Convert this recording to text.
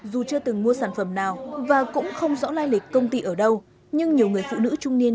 dù chưa từng mua sản phẩm nào và cũng không rõ lai lịch công ty ở đâu nhưng nhiều người phụ nữ trung niên